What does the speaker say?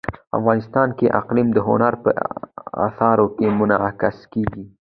افغانستان کې اقلیم د هنر په اثار کې منعکس کېږي.